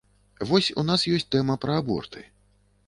Вось у нас ёсць тэма пра аборты.